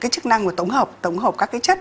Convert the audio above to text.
chức năng tổng hợp các cái chất